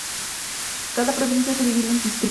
Cada provincia se divide en distritos.